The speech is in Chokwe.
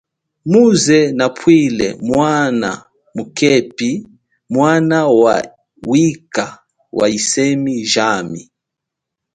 Muze nabwile mwana mukepe mwana wa wikha wa yisemi jami.